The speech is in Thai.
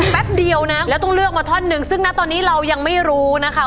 แป๊บเดียวนะแล้วต้องเลือกมาท่อนหนึ่งซึ่งนะตอนนี้เรายังไม่รู้นะคะ